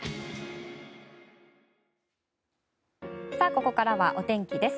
ここからはお天気です。